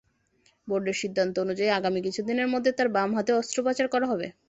বোর্ডের সিদ্ধান্ত অনুযায়ী, আগামী কিছুদিনের মধ্যে তাঁর বাম হাতেও অস্ত্রোপচার করা হবে।